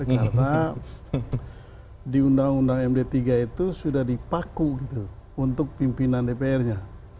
karena di undang undang md tiga itu sudah dipaku untuk pimpinan dpr nya